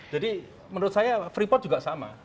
jadi menurut saya free pot juga sama